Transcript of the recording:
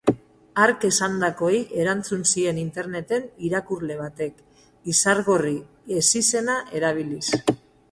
Hark esandakoei erantzun zien interneten irakurle batek, Izargorri ezizena erabiliz.